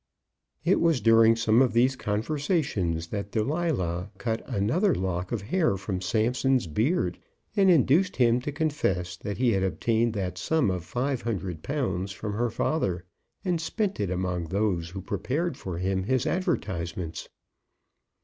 It was during some of these conversations that Delilah cut another lock of hair from Samson's head, and induced him to confess that he had obtained that sum of five hundred pounds from her father, and spent it among those who prepared for him his advertisements.